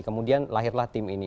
kemudian lahirlah tim ini